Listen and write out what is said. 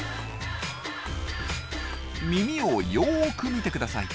耳をよく見てください。